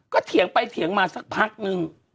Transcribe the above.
ก็เถียงไปเถียงมาสักพักนึง